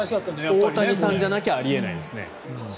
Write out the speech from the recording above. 大谷さんじゃなきゃあり得ないですね。